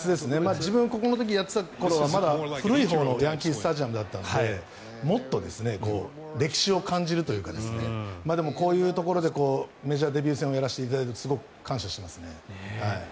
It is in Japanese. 自分がここでやっていた時はまだ古いほうのヤンキー・スタジアムだったのでもっと歴史を感じるというかでも、こういうところでメジャーデビュー戦をやらせていただいてすごく感謝していますね。